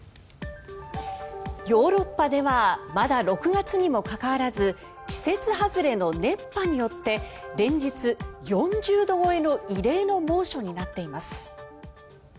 ヨーロッパではまだ６月にもかかわらず季節外れの熱波によって連日、４０度超えの異例の猛暑になっています。